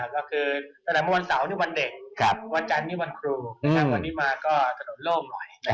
ก็คือตั้งแต่เมื่อวันเสาร์นี่วันเด็กวันจันทร์นี่วันครูวันนี้มาก็ถนนโล่งหน่อย